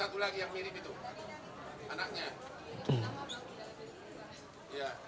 jangan tergesak gesak ngambil keputusan bahwa itu tersangka dulu